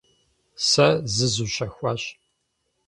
Сэ зызущэхуащ.